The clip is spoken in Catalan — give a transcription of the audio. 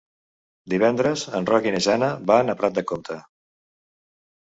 Divendres en Roc i na Jana van a Prat de Comte.